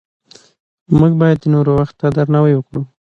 موږ باید د نورو وخت ته درناوی وکړو